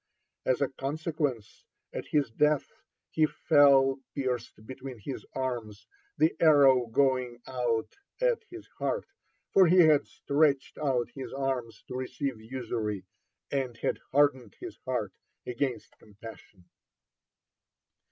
As a consequence, at his death he fell pierced between his arms, the arrow going out at his heart, for he had stretched out his arms to receive usury, and had hardened his heart against compassion.